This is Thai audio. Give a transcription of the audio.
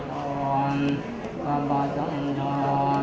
ทุติยังปิตพุทธธาเป็นที่พึ่ง